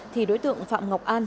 thì đối tượng phạm ngọc an